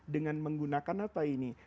dengan menggunakan apa ini